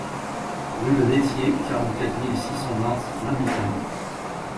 Rue de l'Étier, quarante-quatre mille six cent vingt La Montagne